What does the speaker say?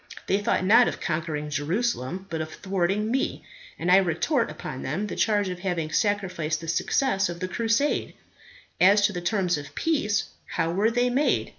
They thought not of conquering Jerusalem, but of thwarting me; and I retort upon them the charge of having sacrificed the success of the crusade. As to the terms of peace, how were they made?